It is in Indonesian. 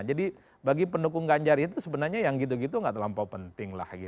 jadi bagi pendukung ganjar itu sebenarnya yang gitu gitu gak terlampau penting lah